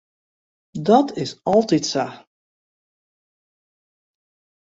Dat is altyd sa.